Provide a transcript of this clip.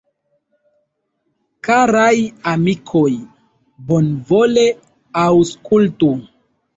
Karaj amikoj, bonvole aŭskultu!